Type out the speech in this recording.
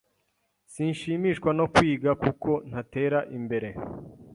Sinshimishwa no kwiga kuko ntatera imbere.